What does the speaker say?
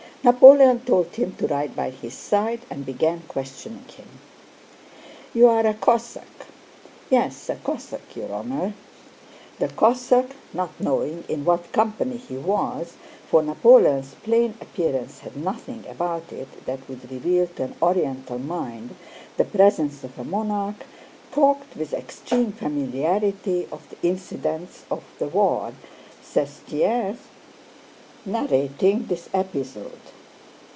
Napoleon told him to ride by his side and began questioning him. "You are a Cossack?" "Yes, a Cossack, your Honor." "The Cossack, not knowing in what company he was, for Napoleon's plain appearance had nothing about it that would reveal to an Oriental mind the presence of a monarch, talked with extreme familiarity of the incidents of the war," says Thiers, narrating this episode.